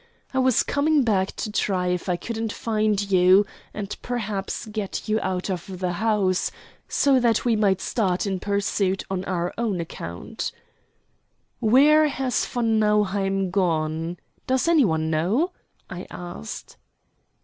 I was coming back to try if I couldn't find you, and perhaps get you out of the house, so that we might start in pursuit on our own account." "Where has von Nauheim gone? Does any one know?" I asked.